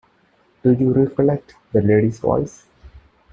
Do you recollect the lady's voice?